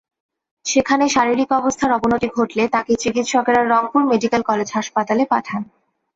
সেখানে শারীরিক অবস্থার অবনতি ঘটলে তাঁকে চিকিৎসকেরা রংপুর মেডিকেল কলেজ হাসপাতালে পাঠান।